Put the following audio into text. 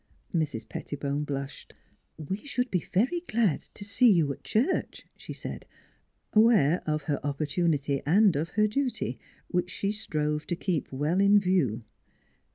Mrs. Pettibone blushed. " We should be very glad to see you at church," she said, aware of her opportunity and of her duty, which she strove to keep well in view.